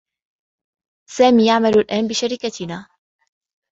سامي يعمل الآن بشركتنا.